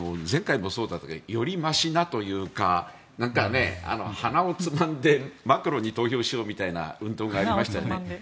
前回もそうでしたがよりましなというか鼻をつまんでマクロンに投票しようみたいな運動がありましたよね。